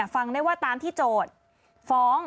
ฟังได้ว่าตามที่โจทย์ฟ้อง